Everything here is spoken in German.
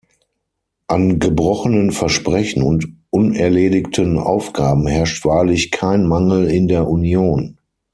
An gebrochenen Versprechen und unerledigten Aufgaben herrscht wahrlich kein Mangel in der Union.